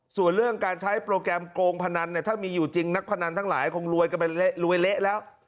ส่วนเรื่องการใช้โปรแกรมโกงพนันเนี่ยถ้ามีอยู่จริงนักพนันทั้งหลายคงรวยกันไปรวยเละแล้ว